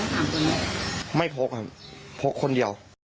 สามคนลดไม่พกอะพกคนเดียว